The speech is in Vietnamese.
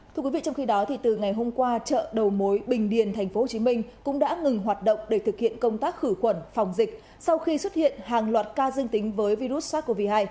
thưa quý vị trong khi đó từ ngày hôm qua chợ đầu mối bình điền tp hcm cũng đã ngừng hoạt động để thực hiện công tác khử khuẩn phòng dịch sau khi xuất hiện hàng loạt ca dương tính với virus sars cov hai